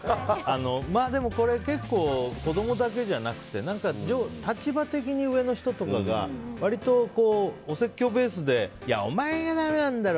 でも、これは結構子供だけじゃなくて立場的にいう上の人とかが割とお説教ベースでお前がだめなんだろ！